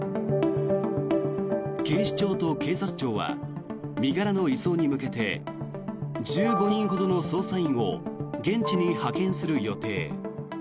警視庁と警察庁は身柄の移送に向けて１５人ほどの捜査員を現地に派遣する予定。